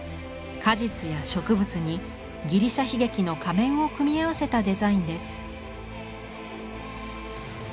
果実や植物にギリシャ悲劇の仮面を組み合わせたデザインです。